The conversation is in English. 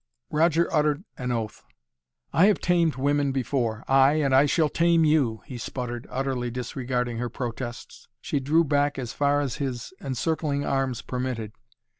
Roger uttered an oath. "I have tamed women before ay and I shall tame you," he sputtered, utterly disregarding her protests. She drew back as far as his encircling arms permitted.